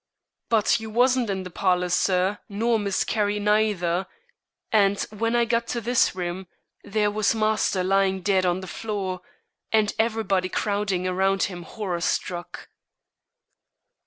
But you wasn't in the parlors, sir, nor Miss Carrie neither, and when I got to this room, there was master lying dead on the floor, and everybody crowding around him horror struck."